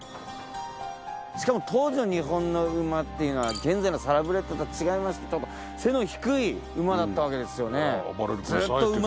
しかも当時の日本の馬っていうのは現在のサラブレッドとは違いまして背の低い馬だったわけですよね。